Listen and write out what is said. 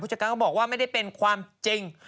จากการก็บอกว่าไม่ได้เป็นความจริง